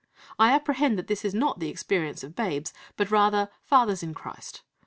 I apprehend that this is not the experience of "babes," but rather "fathers in Christ."'